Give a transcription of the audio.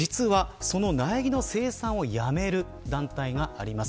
実は、その苗木の生産をやめる団体があります。